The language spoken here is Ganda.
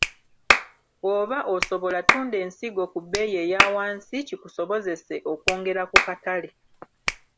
Bw’oba okisobola tunda ensigo ku bbeeyi eya wansi kikusobozese okwongera ku katale .